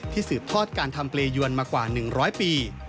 สืบทอดการทำเปรยวนมากว่า๑๐๐ปี